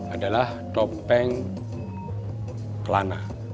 adalah topeng kelana